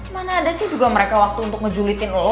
mana ada sih juga mereka waktu untuk ngejulitin lolo